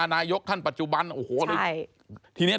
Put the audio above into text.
ก็ไม่รู้ว่าฟ้าจะระแวงพอพานหรือเปล่า